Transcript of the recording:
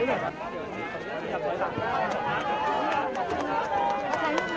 อาศัยกาย